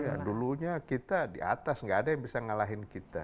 iya dulunya kita di atas nggak ada yang bisa ngalahin kita